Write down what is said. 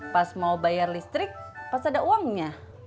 pas mau bayar listrik pas ada uangnya